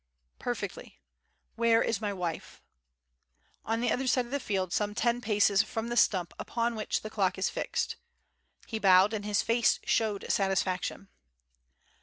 "Perfectly. Where is my wife?" "On the other side of the field some ten paces from the stump upon which the clock is fixed." He bowed, and his face showed satisfaction.